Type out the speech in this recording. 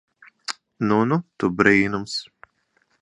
Nu nu tu brīnums.